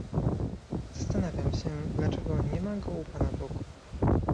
Zastanawiam się, dlaczego nie ma go u pana boku